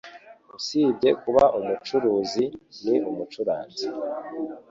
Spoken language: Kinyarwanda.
Usibye kuba umucuruzi, ni umucuranzi.